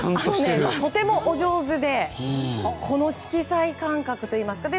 とてもお上手でこの色彩感覚といいますか。